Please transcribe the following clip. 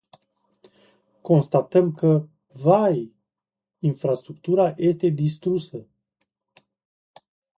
Constatăm că, vai, infrastructura este distrusă.